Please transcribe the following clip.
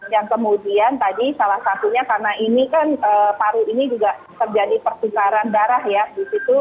yang kemudian tadi salah satunya karena ini kan paru ini juga terjadi pertukaran darah ya di situ